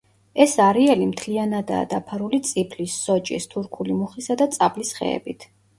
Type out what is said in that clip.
ეს არეალი მთლიანადაა დაფარული წიფლის, სოჭის, თურქული მუხისა და წაბლის ხეებით.